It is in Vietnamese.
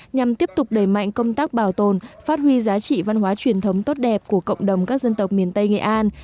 nhằm tiếp tục đẩy mạnh công tác bảo tồn phát huy giá trị văn hóa truyền thống tốt đẹp của cộng đồng các dân tộc miền tây nghệ an